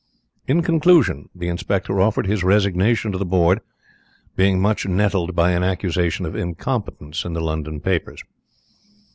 In conclusion, the inspector offered his resignation to the Board, being much nettled by an accusation of incompetence in the London papers.